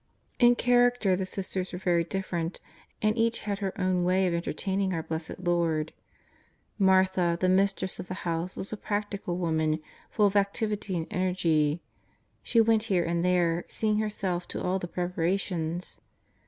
In character the sisters were very different, and each had her own way of entertaining our Blessed Lord. Martha, the mistress of the house, was a practical woman, full of activity and energ;N'. She went here and there seeing herself to all the preparations.